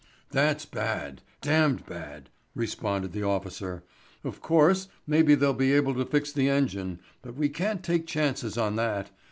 "That's bad—damned bad," responded the officer. "Of course, maybe they'll be able to fix the engine but we can't take chances on that.